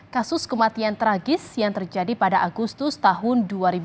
kasus kematian tragis yang terjadi pada agustus tahun dua ribu dua puluh